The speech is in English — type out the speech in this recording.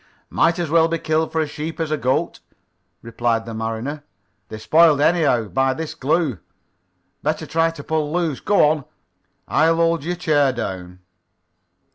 "Might as well be killed for a sheep as a goat," replied the mariner. "They're spoiled anyhow, by this glue. Better try to pull loose. Go on. I'll hold your chair down."